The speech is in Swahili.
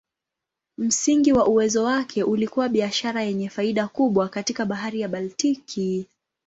Msingi wa uwezo wake ulikuwa biashara yenye faida kubwa katika Bahari ya Baltiki.